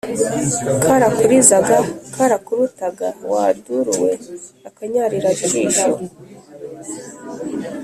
Karakurizaga karakurutaga wa duri we ?!-Akanyarirajisho.